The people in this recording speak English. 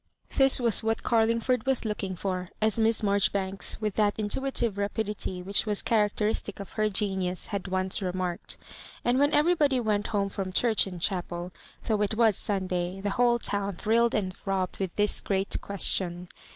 This was what Carlingford was looking for, as Miss Marjori banks, with that intuitive rapidity which was characteristic of her genius, had at once remarked ; and when everybody went home from church and chapel, though it was Supday, the whole town thrilled and throbbed with this great question.